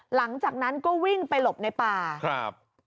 หลังจากนั้นก็วิ่งไปหลบในป่าครับ